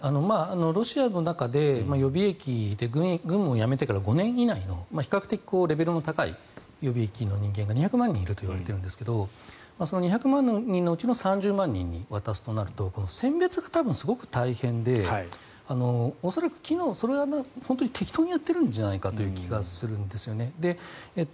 ロシアの中で、予備役で軍務を辞めてから５年以内の比較的レベルの高い予備役の人間が２００万人いるといわれているんですがその２００万人のうちの３０万人に渡すとなると選別が、多分すごく大変で恐らく適当にやってるんじゃないかという気がするんですよね。